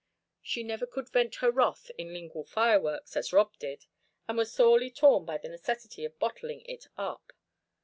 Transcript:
She never could vent her wrath in lingual fireworks, as Rob did, and was sorely torn by the necessity of bottling it up.